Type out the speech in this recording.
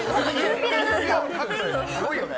すごいよね。